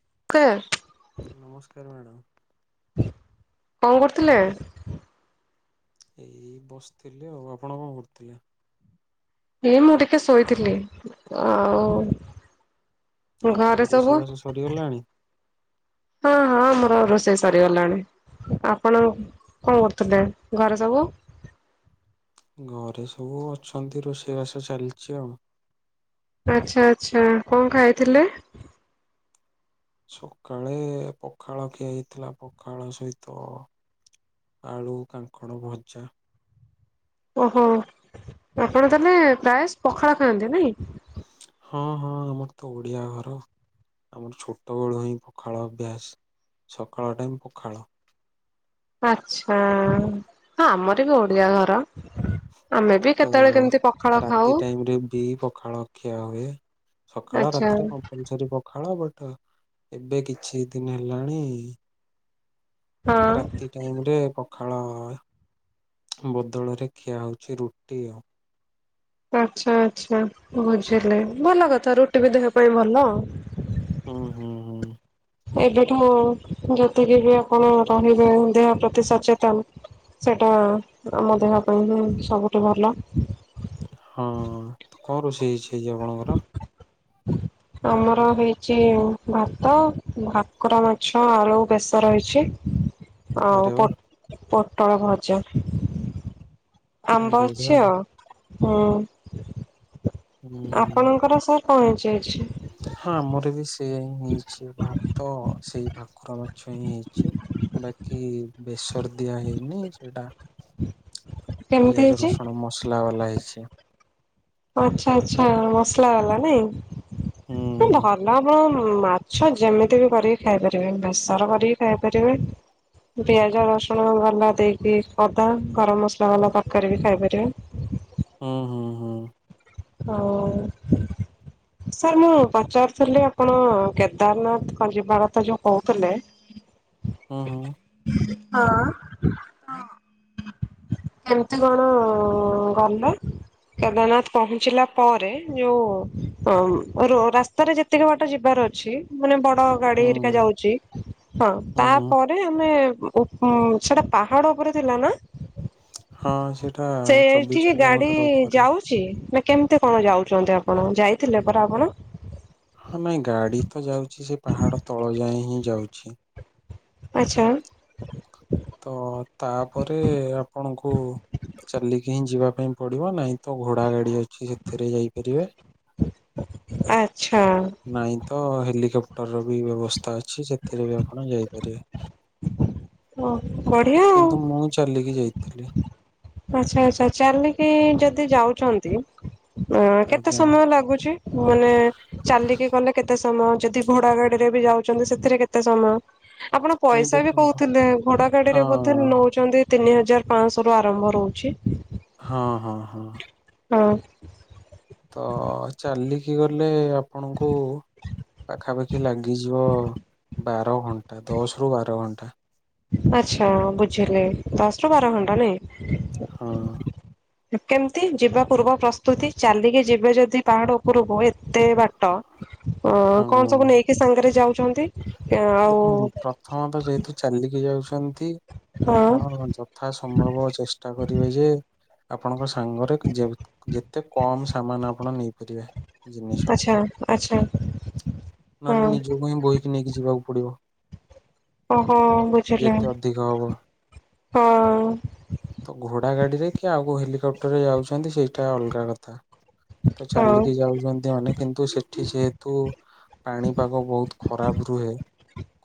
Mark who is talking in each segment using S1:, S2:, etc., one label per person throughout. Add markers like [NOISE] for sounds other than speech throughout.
S1: [UNINTELLIGIBLE]
S2: ନମସ୍କାର ମ୍ୟାଡମ।
S1: କଣ କରୁଥିଲେ?
S2: ଏଇ ବସିଥିଲି ଆଉ ଆପଣ।
S1: ଏ ମୁଁ ଟିକେ ଶୋଇଥିଲି ଆଉ
S2: ଆଚ୍ଛା
S1: ଘରେ ସବୁ
S2: ରୋଷେଇବାସ ସରିଗଲାଣି?
S1: ହଁ ହଁ। ରୋଷେଇ ସରିଗଲାଣି ଆପଣ କଣ କରୁଥିଲେ ଘରେ ସବୁ। [INAUDIBLE]
S2: ଘରେ ସବୁ ଅଛନ୍ତି, ରୋଷେଇବାସ ଚାଲିଛି ଆଉ।
S1: ଆଚ୍ଛା ଆଚ୍ଛା କଣ ଖାଇଥିଲେ?
S2: ସକାଳେ ପଖାଳ ଖିଆ ହେଇଥିଲା ପଖାଳ ସହିତ। ଆଳୁ କାଙ୍କଡ଼ ଭଜା।
S1: ଓହୋ ଆପଣ ତାହେଲେ ପ୍ରାୟ ପଖାଳ ଖାଆନ୍ତି ନାଇଁ।
S2: ହଁ ହଁ ଆମର ତ ଓଡିଆ ଘର। ଆମର ଛୋଟ ବେଳୁ ହିଁ ପଖାଳ ଅଭ୍ୟାସ ସକାଳ ଟାଇମ ପଖାଳ।
S1: ଆଛା ହ ଆମର ବି ଓଡିଆ ଘର। ଆମେ ବି
S2: ତ
S1: କେତେବେଳେ କେମିତି ପଖାଳ
S2: ରାତି
S1: ଖାଉ
S2: ଟାଇମ ରେ ବି ପଖାଳ ଖିଆ ହୁଏ। ସକାଳ
S1: ଆଚ୍ଛା
S2: ରାତିରେ
S1: ହଁ।
S2: କମ୍ପଲସରୀ ପଖାଳ ବଟ। ତ ଏବେ କିଛି ଦିନ ହେଲାଣି ରାତି ଟାଇମରେ ପ ପଖାଳ ବଦଳରେ ଖିଆ ହଉଛି ରୁଟି ଆଉ।
S1: ଆଚ୍ଛା ଆଚ୍ଛା ବୁଝିଲେ ଭଲ କଥା ରୁଟି ବି ଦେହ ପାଇଁ ଭଲ।
S2: ହୁଁ ହୁଁ ହୁଁ।
S1: ଏବେଠୁ ଯେତିକି ବି ଆପଣ ରହିବେ ଦେହ। ଏତେ ସଚେତନ ସେଇଟା ଆମ ଦେହ ପାଇଁ ହିଁ ସବୁଠୁ ଭଲ
S2: ହଁ କଣ ରୋଷେଇ ହେଇଛି ହେଇଛି ଆପଣଙ୍କର?
S1: ଆମର ହେଇଛି ଭାତ ଭାକୁର ମାଛ ଆଳୁ ବେଶର ହେଇଛି। ଆଉ
S2: ଆରେ ବା
S1: ପୋଟ ପୋଟଳ ଭଜା। ଆମ୍ବ
S2: ବଢିଆ
S1: ଅଛି ଆଉ ହୁଁ
S2: ହୁଁ
S1: ଆପଣଙ୍କର ସାର୍। ହଁ ଯଇଛି।
S2: ହଁ ମୋର ବି ସେୟାହିଁ ହେଇଛି ଭ ତ ସେଇ ଭାକୁର ମାଛ ହିଁ ହେଇଚି। ବାକି ବେସର ଦିଆ ହେଇନି ସେଇଟା
S1: କେମିତି
S2: ପିଆଜ
S1: ହେଇଛି?
S2: ରସୁଣ ମସଲା ବାଲା ହେଇଚି।
S1: ଆଚ୍ଛା ଆଚ୍ଛା ମସଲା ବାଲା
S2: ହୁଁ
S1: ନାଇଁ ଭଲ କନ ମାଛ ଯେମିତିବି କରିକି ଖାଇପାରିବେ, ବେସର କରିକି ଖାଇପାରିବେ। ପିଆଜ ରସୁଣ ବାଲା ଦେଇକି, ଅଦା ଗରମ ମସଲା ବାଲା ତରକାରୀ ବି ଖାଇପାରିବେ।
S2: ହୁଁ ହୁଁ ହୁଁ।
S1: ହଁ ସାର୍ ମୁଁ ପଚାରୁଥିଲି ଆପଣ କେଦାରନାଥ ଖଲିପା କଥା ଯୋଉ କହୁଥିଲେ ହୁଁ।
S2: ହୁଁ ହୁଁ।
S1: ହଁ ହଁ। କେମତି କଣ ଗଲେ କେଦାରନାଥ? ପହଞ୍ଚିଲା ପରେ ଯୋଉ ଅମ ରୋ ରାସ୍ତାରେ ଯେତିକି ବାଟ ଯିବାର ଅଛି ମାନେ ବଡ଼ ତ
S2: ହୁଁ
S1: ଗାଡିହେରିକା ଯାଉଚି ହଁ
S2: ହୁଁ ହୁଁ।
S1: ତାପରେ ଆମେ ଉ ହଁ ସେଟା ପାହାଡ଼ ଉପରେ ଥିଲା ନା।
S2: ହଁ ସେଇଟା
S1: ସେ
S2: ଚବିଶ
S1: ଏଠିକି ଗାଡି
S2: କିଲୋମିଟର ଉପରେ।
S1: ଯାଉଚି। ନା କେମତି କଣ ଯାଉଛନ୍ତି ଆପଣ, ଯାଇଥିଲେ ପରା ଆପଣ?
S2: ହଁ ନାଇଁ ଗାଡି ତ ଯାଉଛି ଯେ ପାହାଡ ତଳ ଯାଏଁ ହିଁ ଯାଉଚି।
S1: ଆଚ୍ଛା।
S2: ତ ତାପରେ ଆପଣଙ୍କୁ ଚାଲିକିହିଁ ଯିବା ପାଇଁ ପଡିବ ନାଇଁ ତ ଘୋଡା ଗାଡି ଅଛି ସେଥିରେ ଯାଇପାରିବେ।
S1: ଆଚ୍ଛା
S2: ନାଇଁ ତ ହେଲିକ୍ୟାପ୍ଟରବି ବ୍ୟବସ୍ ସ୍ତା ଅଛି ସେଥିରେବି ଆପଣ ଯାଇପାରିବେ।
S1: ଓ ବଢିଆ ଆଉ।
S2: କିନ୍ତୁ ମୁଁ ଚାଲିକି ଯାଇଥିଲି।
S1: ଆଚ୍ଛା ଆଚ୍ଛା ଚାଲିକି ଯଦି ଯାଉଚନ୍ତି। ଅଁ କେତେ
S2: ଆଜ୍ଞା
S1: ସମୟ ଲାଗୁଛି? ମାନେ ଚାଲିକି ଗଲେ କେତେ ସ ମୟ। ଯଦି ଘୋଡା ଗାଡିରେ ବି ଯାଉଛନ୍ତି ସେଥିରେ କେତେ ସମୟ? ଆପଣ
S2: ନାଇଁ
S1: ପଇସା ବି
S2: ଦେଖନ୍ତୁ
S1: କହୁଥିଲେ ଘୋଡା
S2: ହଁ।
S1: ଗାଡିରେ ବୋଧେ ନେଉଚନ୍ତି ତିନିହଜାର ପାଁଶହରୁ ଆରମ୍ଭ। ରହୁଚି।
S2: ହଁ ହଁ ହଁ।
S1: ହଁ।
S2: ତ ଚାଲିକିଗଲେ ଆପଣଙ୍କୁ ପାଖାପାଖି ଲାଗିଯିବ ବାର ଘଣ୍ଟା। ଦଶରୁ ବାର ଘଣ୍ଟା।
S1: ଆଚ୍ଛା ବୁଝିଲି। ଦଶ ରୁ ବାର ଘଣ୍ଟା ନାଇଁ।
S2: ହଁ।
S1: କେମତି ଯିବା ପୂର୍ବ ପ୍ରସ୍ତୁତି? ଚାଲିକି ଯିବେ ଯଦି ପାହାଡ ଉପରକୁ ଏତେ ବାଟ। ଅ କଣ
S2: ହଁ।
S1: ସବୁ ନେଇକି ସାଙ୍ଗରେ ଯାଉଚନ୍ତି?
S2: ଦେଖନ୍ତୁ ପ୍ରଥମତଃ ଯେହେତୁ ଚାଲିକି ଯାଉଚନ୍ତି
S1: ହଁ
S2: ଆପଣ ଯଥା ସମ୍ଭବ ଚେଷ୍ଟା କରିବେ ଯେ ଆପଣଙ୍କ ସାଙ୍ଗରେ ଯେ ଯେତେ କମ ସାମାନ ଆପଣ ନେଇପାରିବେ। ଜିନିଷ।
S1: ଆଚ୍ଛା ଆଚ୍ଛା
S2: ମାନେ
S1: ହଁ
S2: ନିଜ ପାଇଁ ବୋଇ ନେଇକି ଯିବାକୁ ପଡିବ।
S1: ଓହୋ ବୁଝିଲି
S2: ଯେତେ ଅଧିକ ହବ।
S1: ହଁ।
S2: ତ ଘୋଡା ଗାଡିରେ କି ଆଉ କୋଉ ହେଲିକ୍ୟାପ୍ଟରରେ ଯାଉଚନ୍ତି ସେଇଟା ଅଲଗା କଥା। ତ
S1: ହଉ
S2: ଚାଲିକି ଯାଉଛନ୍ତି ଅନେକ। କିନ୍ତୁ ସେଠି ଯେହେତୁ ପାଣିପାଗ ବହୁତ ଖରାପ ରୁହେ।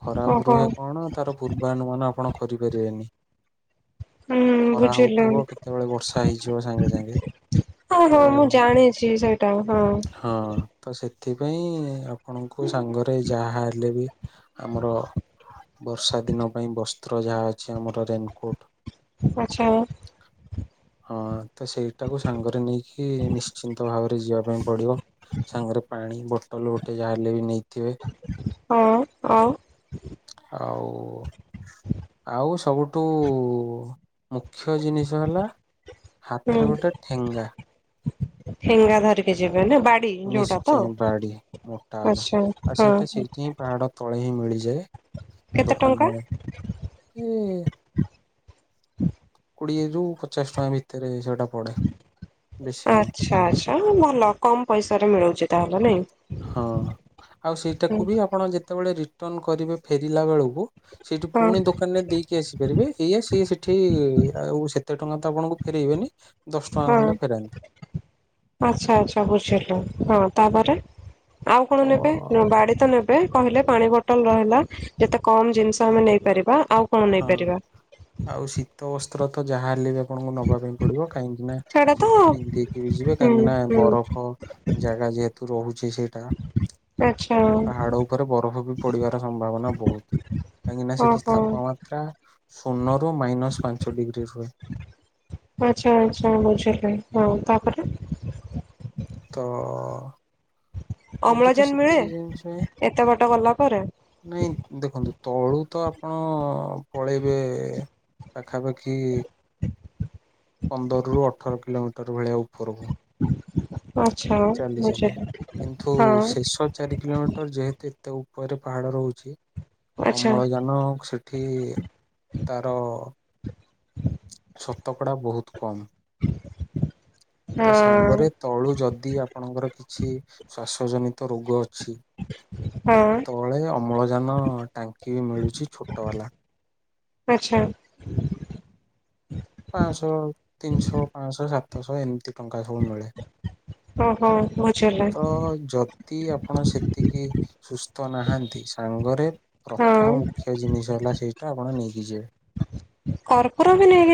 S2: ଖରାପ
S1: ଓହୋ
S2: ରୁହେ କଣ ତାର ପୂର୍ବାନୁମାନ ଆପଣ କରିପାରିବେନି।
S1: ହୁଁ
S2: ଖରା
S1: ବୁଝିଲି
S2: ହଉଥିବ କେତେବେଳେ ବର୍ଷା ହେଇଯିବ ସାଙ୍ଗେ ସାଙ୍ଗେ।
S1: ହଁ
S2: ତ
S1: ହଁ ମୁଁ ଜାଣିଚି ସେଇଟା ହଁ।
S2: ହଁ। ତ ସେଥିପାଇଁ ଆପଣଙ୍କୁ ସାଙ୍ଗରେ ଯାହା ହେଲେ ବି ଆମର ବର୍ଷା ଦିନ ପାଇଁ ବସ୍ତ୍ର ଯାହା ଅଛି ଆମର ରେନକୋଟ୍
S1: ଆଛା।
S2: ହଁ ତ ସେଇଟାକୁ ସାଙ୍ଗରେ ନେଇକି ନିଶ୍ଚିନ୍ତ ଭାବରେ ଯିବା ପାଇଁ ପଡିବ। ସାଙ୍ଗରେ ପାଣି ବୋଟଲ ଗୋଟେ ଯାହାଲେ ବି ନେଇ
S1: ହଁ ଆଉ?
S2: ଓ ଆଉ ସବୁଠୁ ମୁଁ ମୁଖ୍ୟ ଜିନିଷ ହେଲା ହାତର ଗୋଟେ ଠେଙ୍ଗା।
S1: ଫେଙ୍ଗା ଧରିକି ଯିବ
S2: ନିଶ୍ଚୟ ବାଡି ମୋଟା ବାଲା
S1: ଆଚ୍ଛା
S2: ଆଉ
S1: ହଁ
S2: ସେଇଟା
S1: ହଁ
S2: ସେଇଠି ପାଇଁ ପାହାଡ ତଳେ ହିଁ ମିଳି ଯାଏ
S1: କେତେ ଟଙ୍କା
S2: ଦୋକାନ ଏ କୋଡିଏ ଯୋଉ ପଚାଶ ଟଙ୍କା ଭିତରେ ଯୋ
S1: ଆଛା ଆଛା ଭଲ କମ୍ ପଇସା ରେ ମିଳୁଚି ତାହେଲେ ନାଇଁ?
S2: ହଁ ଆଉ
S1: ହୁଁ
S2: ସେଇଟାକୁ ବି ଆପଣ ଯେତେବେଳେ ରିଟର୍ଣ କରିବେ ଫେରିଲା ବେଳକୁ ସେଇଠୁ
S1: ହଁ
S2: ପୁଣି ଦୋକାନ ରେ ଦେଇକି ଆସିପାରିବେ ଏଇଆ ସେ ସେଠ ଏଠି ଆଉ ସେତେ ଟଙ୍କା ତ ଆପଣଙ୍କୁ ଫେରଇବେନି
S1: ହଁ ଆଛା ଆଛା ବୁଝିଲି ହଁ ତାପରେ? ଆଉ
S2: ତ
S1: କଣ ନେବେ ନା ବାଡି ତ ନେବେ ନେବେ କହିଲେ ପାଣି ବଟଲ ରହିଲା ଯେତେ କମ୍ ଜିନିଷ ଆମେ ନେଇ ପାରିବା ଆଉ କଣ
S2: ହଁ
S1: ନେଇପାରିବା
S2: ଆଉ ଶୀତ ବସ୍ତ୍ର ତ ଯାହା ହେଲେ ଆପଣଙ୍କୁ ନବା ପାଇଁ ପଡିବ କାହିଁକି ନା
S1: ସେଇଟା ତ
S2: ସେଠୁ
S1: ହୁଁ
S2: ପିନ୍ଧିକି ବି ଯିବେ କାହିଁକି ନା
S1: ହୁଁ
S2: ବରଫ ଜାଗା ଯେହେତୁ ରହୁଚି ସେଇଟା
S1: ଆଚ୍ଛା
S2: ପାହାଡ ଉପରେ ବରଫ ବି ପଡିବାର ସମ୍ଭାବନା ବହୁତ୍ କାହିଁକି ନା ସେଠି
S1: ଓହୋ
S2: ତାପମାତ୍ ଶୂନ,
S1: ଆଛା ଆଛା ବୁଝିଲି ହଁ ତାପରେ? [INAUDIBLE]
S2: ତ ଅ
S1: ଅମ୍ଳଜାନ ମିଳେ
S2: ଜିନିଷ ହିଁ
S1: ଏତେ ବାଟ ଗଲା ପରେ
S2: ନାଇଁ ଦେଖନ୍ତୁ ତଳୁ ତ ହଁ ପଳେଇବେ ପାଖାପାଖି ପନ୍ଦରରୁ ଅଠର କିଲୋମିଟର ଭଳିଆ ଉପରକୁ
S1: ଆଚ୍ଛା
S2: ଚାଲି ଚାଲି
S1: ବୁଝିଲି
S2: କିନ୍ତୁ
S1: ହଁ
S2: ଶେଷ ଚାରି କିଲୋମିଟର ଯେହେତୁ ଏତେ ଉ ଉପରେ ପାହାଡ ରହୁଛି
S1: ଆଚ୍ଛା
S2: ଅମଳଜାନ ସେଠି ତାର ଶତକଡ଼ା ବହୁତ କମ୍ ତ
S1: ହଁ
S2: ସାଙ୍ଗରେ ତଳୁ ଯଦି ଆପଣଙ୍କର କିଛି ସସ୍ ଜନିତ ରୋଗ ଅଛି
S1: ହଁ
S2: ତଳେ ଅମ୍ଳଜାନ ଟାଙ୍କି ମିଳୁଛି ଛୋଟ ବାଲା।
S1: ଆଚ୍ଛା,
S2: ପାଂଶ ତିନିଶହ ପାଂଶ ସାତଶହ ଏମିତି ଟଙ୍କା ସବୁ ମିଳେ।
S1: ହଁ ବୁଝ
S2: ତ ଯଦି ଆପଣ ସେତିକି ସୁସ୍ଥ ନାହାନ୍ତି ସାଙ୍ଗରେ ର୍ର
S1: ହଁ
S2: ପ୍ରଥମ ମୁଖ୍ୟ ଜିନିଷ ହେଲା ସେଇଟା ଆପଣ ନେଇକି ଯିବେ।
S1: କର୍ପୁର ବି ନାଇଁ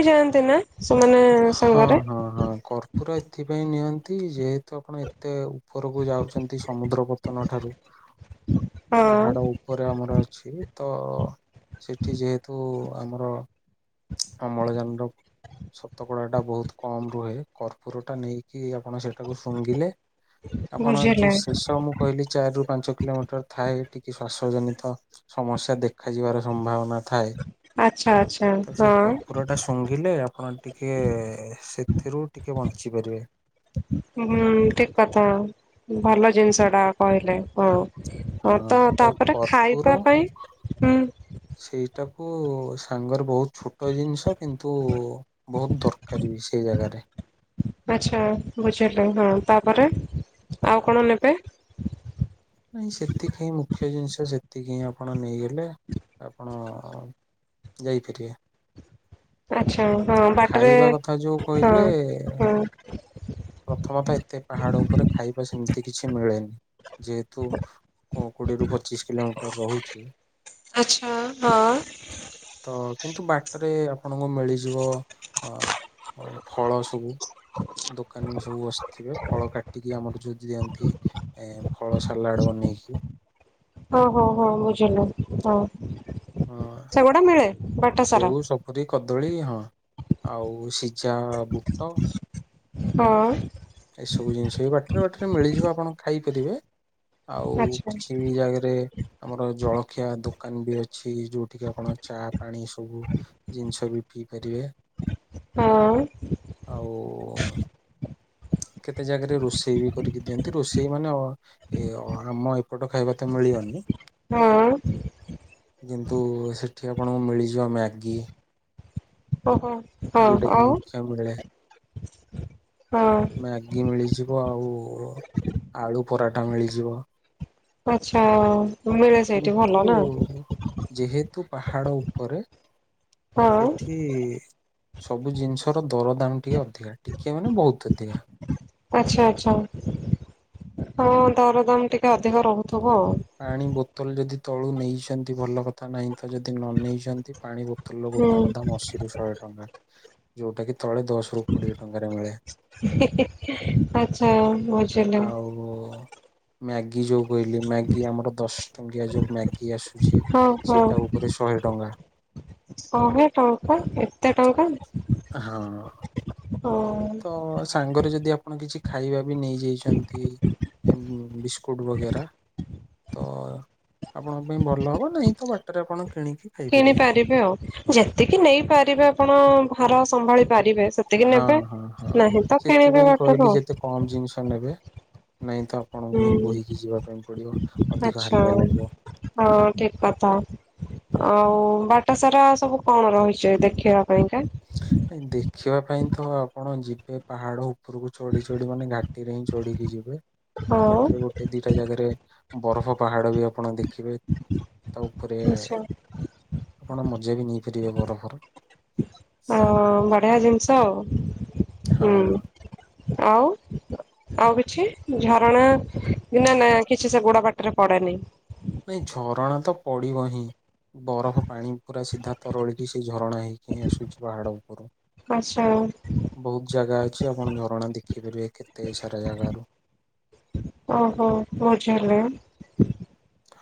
S1: ନା ସେମାନେ ସାଙ୍ଗରେ
S2: ପୁରା ଏଥିପାଇଁ ନିଅନ୍ତି ଯେହେତୁ ଆପଣ ଏତେ ଉପରକୁ ଯାଉଛନ୍ତି ସମୁଦ୍ର ପତନ ଠାରୁ
S1: ହଁ
S2: ପାହାଡ ଉପରେ ଆମର ଅଛି ତ ସେଠି ଯେହେତୁ- ଆମର ଅମ୍ଳଜାନ ର- ଶତକଡା ଟା ବହୁତ କମ୍ ରୁହେ। କର୍ପୁର ଟା ନେଇକି ଆପଣ ସେଟାକୁ ଶୁଙ୍ଘିଲେ। ଆପଣ ଏ
S1: ବୁଝିଲେ
S2: ଯୋଉ ଶେଷ ମୁଁ କହିଲି ଚାରି ରୁ ପାଞ୍ଚ କିଲୋମିଟର ଥାଏ ଟିକେ ଶ୍ୱାସ - ଜନ ସମସ୍ୟା ଦେଖାଯିବାର ସମ୍ଭାବନା। ଥାଏ
S1: ଆଚ୍ଛା ଆଚ୍ଛା
S2: ତ ସେ
S1: ହଁ
S2: କର୍ପୁର ଟା ଶୁଙ୍ଘିଲେ ଆପଣ। ଟିକେ ସେଥିରୁ ଟିକେ ବଞ୍ଚି ପାରିବେ।
S1: ହୁଁ ଠିକ କଥା। ଭଲ ଜିନିଷ ଟା କହିଲେ ହଁ। ହଁ ତ ତାପରେ ଖାଇବା ପାଇଁ ହୁଁ।
S2: ଓଃ ସାଙ୍ଗର ବହୁତ ଛୋଟ ଜିନିଷ କିନ୍ତୁ ବହୁତ ଦରକାରୀ ବି ସେଇ ଜାଗାରେ।
S1: ହୁଁ ବୁଝିଲେ ହଁ ତା ପରେ। ଆଉ କଣ
S2: ତ
S1: ନେବେ?
S2: ନାଇଁ ସେତିକି ହିଁ ମୁଖ୍ୟ ଜିନିଷ। ସେତିକି ହି ଆପଣ ନେଇଗଲେ ଆପଣ ଯାଇ ପାରିବା।
S1: ଆଚ୍ଛା! ହଁ ବାଟରେ
S2: କଥା ଯୋଉ
S1: ହଁ
S2: କହିଲେ
S1: ହଁ
S2: ପ୍ରଥମତଃ ଏତେ ପାହାଡ ଉପରେ ଖାଇବା ସେମିତି କିଛି ମିଳେନି। ଯେହେତୁ କୋଡିଏରୁୁ ପଚିଶ କିଲୋମିଟର ରହୁଛି।
S1: ଆଚ୍ଛା ହଁ।
S2: ତ କିନ୍ତୁ ବାଟରେ। ଆପଣଙ୍କୁ ମିଳିଯିବ ଆ ଅ ଫଳ ସବୁ ଦୋ ଏମିତି ସବୁ ବସିଥିବେ ଫଳ କାଟିକି ଆମର ଯଉ ଦିଅନ୍ତି ଏ ଫଳ ସାଲାଡ ବନେଇକି।
S1: ଓଃ ହୋ ହୋ ହଁ ବୁଝିଲୁ ହଁ
S2: ହଁ
S1: ସେଗୁଟା ମିଳେ। ବାଟ ସାରା
S2: ସେଉ, ସପୁରୀ, କଦଳୀ ହଁ ଆଉ ସିଝା ବୁଟ।
S1: ହଁ,
S2: ଏଇସବୁ ଜିନିଷ ବି ବାଟରେ ବାଟରେ ମିଳିଯିବ ଆପଣ ଖାଇପାରିବେ। ଆଉ
S1: ଆଚ୍ଛା
S2: କିଛି ଜାଗାରେ ଆମର ଜଳଖିଆ ଦୋକାନ ବି ଅଛି। ଯୋଉଠିକି ଆପଣ ଚା ପାଣି ସବୁ ଜିନିଷ ବି। କି କରିବେ?
S1: ହୁଁ।
S2: ହୋଉ ଆ।
S1: [UNINTELLIGIBLE]
S2: କେତେ ଜାଗାରେ ରୋଷେଇ ବି କରିକି ଦିଅନ୍ତି। ରୋଷେଇ ମାନେ ଆମ ଏପଟ ଖାଇବା ତ ମିଳିବନି।
S1: ହୁଁ।
S2: କିନ୍ତୁ ସେଠି ଆପଣଙ୍କୁ ମିଳିଯିବ ମ୍ୟାଗି।
S1: ଓହୋ। ହଁ
S2: ଯେଉଟକ
S1: ଆଉ
S2: ମୁଖ୍ୟ ମୁଖେଲିଆ।
S1: ହଁ
S2: ମ୍ୟାଗି ମିଳିଯିବ ଆଉ। ଆଳୁ ପରରାଟା ମିଳିଯିବ।
S1: ଆଛା।
S2: କିନ୍ତୁ ଯେହେତୁ ତୁ ପାହାଡ ଉପରେ
S1: ହଁ
S2: ସେଠି ସବୁ ଜିନିଷର ଦର ଦାମ ଟିକେ ଅଧିକା। ଟିକିଏ ମାନେ ବହୁତ ଅଧିକା।
S1: ଆଛା ଆଛା ହଁ ତାର ଦାମ ଟିକେ ଅଧିକ ରହୁଥିବ ଆଉ।
S2: ପାଣି ବୋତଲ ଯଦି ତଳୁ ନେଇଛନ୍ତି ଭଲ କଥା। ନାହିଁ ତ ଯଦି ନ ନେଇଛନ୍ତି ପାଣି ବୋ ତଲ
S1: ହୁଁ
S2: ଗୋଟା କ ଦାମ ଅଶୀରୁ ଶହେ ଟଙ୍କା। ଯୋଉଟା କି ତଳେ ଦଶ ରୁ କୋଡିଏ ଟଙ୍କାରେ ମିଳେ।
S1: ହିଁ ହିଁ ଆଛା ବୁଝିଲୁ।
S2: ଆଉ ମ୍ୟାଗି ଯେଉଁ କହିଲି କି ଆମର ଦଶ ଟଙ୍କିଆ ଯୋଉ ମ୍ୟାଗି ଆସୁଛି
S1: ହଁ ହଁ
S2: ସେଇଟା ଉପରେ ଶହେ ଟଙ୍କା।
S1: ଶହେ ଟଙ୍କା। ଏତେ ଟଙ୍କା?
S2: ହଁ
S1: ହଁ।
S2: ତ ସାଙ୍ଗରେ ଯଦି ଆପଣ କିଛି ଖାଇବା। ବି ନେଇଯାଇଛନ୍ତି ବିସ୍କୁଟ ବଗେରା ତ ଆପଣଙ୍କ ପାଇଁ ଭଲ ହବ ନାହିଁ ତ ବାଟରେ ଆପଣ କିଣିକି ଖାଇପାରିବେ
S1: କିଣିପାରିବେ ଆଉ। ଯେତିକି ନେଇପାରିବେ ଆପଣ ଭାର ସମ୍ଭାଳି ପାରିବେ। ସେତିକି
S2: ହଁ
S1: ନେବେ।
S2: ହଁ ହଁ
S1: ନାହିଁ ତ କିଣିବେ
S2: ସେଥିପାଇଁ
S1: ବାଟରୁ
S2: କହିଲି
S1: ଆଉ
S2: ଯେତେ କମ ଜିନିଷ ନେବେ ନାଇଁ ତ ଆପଣଙ୍କୁ ହିଁ
S1: ହୁଁ।
S2: ବୋହିକି ଯିବା ପାଇଁ ପଡିବ ଅଧିକ
S1: ଆଚ୍ଛା
S2: ହାଲିଆ ଲାଗିବ।
S1: ହଁ ଠିକ କଥା। ଆଉ ବାଟ ସାରା ସବୁ କଣ ରହିଛି ଦେଖିବା ପାଇଁକା?
S2: ଦେଖିବା ପାଇଁ ତ ଆପଣ ଯିବେ ପାହାଡ ଉପ ଉପରକୁ ଚଢି ଚଢି ମାନେ ଘାଟିରେ ହିଁ ଚଢିକି ଯିବେ।
S1: ହଉ
S2: ବାଟରେ ଗୋଟେ ଦିଟା ଜାଗାରେ ବରଫ ପାହାଡ଼ ବି ଆପଣ ଦେଖିବେ ତା ଉପରେ
S1: ଆଛା
S2: ଆପଣ ମଜା ବି ନେଇପାରିବେ ବରଫର।
S1: ହଁ ବଢିଆ ଜିନିଷ ଆଉ।
S2: ହଁ।
S1: ହୁଁ ଆଉ ଆଉ କିଛି ଝରଣା ନା ନା କିଛି ସେ ଗୁଡା ବାଟରେ ପଡେନି।
S2: ନାଇ ଝରଣା ତ ପଡିବ ହିଁ ବରଫ ପାଣି ପୁରା ସିଧା ତରଳିକି ସେ ଝରଣା ହେଇ ଆସୁଛି ପାହାଡ ଉପରୁ
S1: ଆଛା
S2: ବହୁତ ଜାଗା ଅ ଆପଣ ଝରଣା ଦେଖିପାରିବେ କେତେ ସାରା ଜାଗାରୁ।
S1: ଓହୋ ଭୋଜି ହେଲେ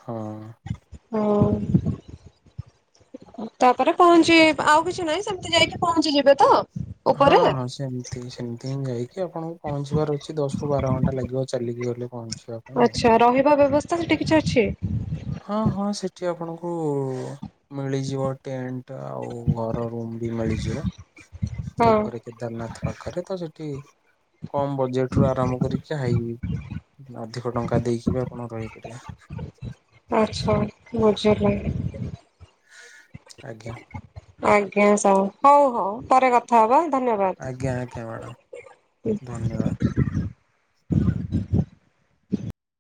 S2: ହଁ।
S1: ହଉ। ତାପରେ ପହଞ୍ଚି ଆଉ କିଛି ନାହିଁ ସେମିତି ଯାଇକି ପହଞ୍ଚିଯିବେ ତ
S2: ହଁ
S1: ଉପରେ
S2: ହଁ ସେମିତି ସେମିତି ହିଁ ଯାଇକି ଆପଣଙ୍କୁ ପହଞ୍ଚିବାର ଅଛି ଦଶ ରୁ ବାର ଘଣ୍ଟା ଲାଗିବ। ଚାଲିକି ଗଲେ ପହଞ୍ଚି
S1: ଆଛା ରହିବା ବ୍ୟବସ୍ଥା ସେଠି କିଛି ଅଛି?
S2: ହଁ ହଁ ସେଠି ଆପଣଙ୍କୁ ମିଳିଯିବ ଟେଣ୍ଟ ଆଉ ଘର ରୁମ ବି ମିଳିଯିବ।
S1: ହଁ
S2: ଉପରେ କେଦାରନାଥ ପାଖରେ ତ ସେଠି କମ ବଜେଟ ରୁ ଆରମ୍ଭ କରିକି ହାଇ ଅଧିକ ଟଙ୍କା ଦେଇକି ବି ଆପଣ ରହିପାରିବେ।
S1: ଆଚ୍ଛା ବୁଝିଲି।
S2: ଆଜ୍ଞା।
S1: ଆଜ୍ଞା ସାର୍ ହଉ ହଉ ପରେ କଥା ହବା।
S2: ଆଜ୍ଞା ଆଜ୍ଞା ମ୍ୟାଡ଼ାମ ଧନ୍ୟବାଦ।
S1: ଧନ୍ୟବାଦ।